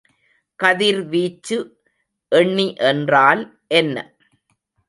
கதிர்வீச்சு எண்ணி என்றால் என்ன?